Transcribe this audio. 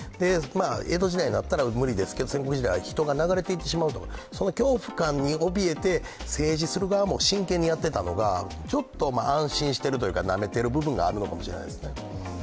江戸時代になったら無理ですけれども戦国時代になったら人が流れていってしまうとか、その恐怖感におびえて、政治する側も真剣にやっていたのがちょっと安心してるというか、なめてる部分があるのかもしれないですね。